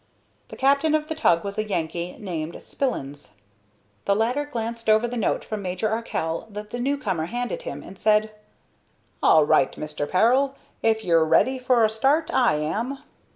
The captain of the tug was a Yankee named Spillins. The latter glanced over the note from Major Arkell that the new comer handed him, and said, "All right, Mr. Peril; if you're ready for a start, I am."